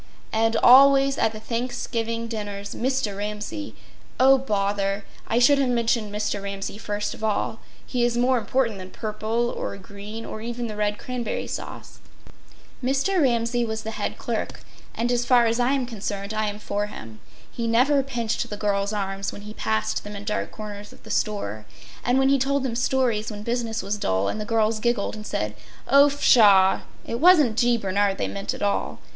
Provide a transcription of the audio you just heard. And always at the Thanksgiving dinners Mr. Ramsay— Oh, bother! I should have mentioned Mr. Ramsay first of all. He is more important than purple or green, or even the red cranberry sauce. Mr. Ramsay was the head clerk; and as far as I am concerned I am for him. He never pinched the girls’ arms when he passed them in dark corners of the store; and when he told them stories when business was dull and the girls giggled and said: “Oh, pshaw!” it wasn’t G. Bernard they meant at all.